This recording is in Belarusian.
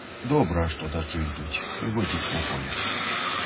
Добра, што дажджы ідуць, годзіць на поле.